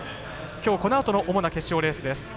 きょう、このあとの主な決勝レースです。